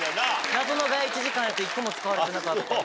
謎のガヤ１時間やって１個も使われてなかった。